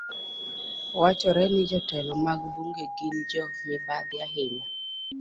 Wachore ni jotelo mag bungu gin jo mibadhi ahinya.